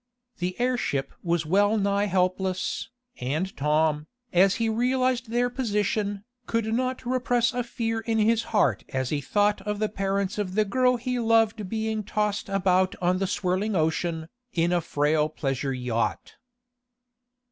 The airship was well nigh helpless, and Tom, as he realized their position, could not repress a fear in his heart as he thought of the parents of the girl he loved being tossed about on the swirling ocean, in a frail pleasure yacht.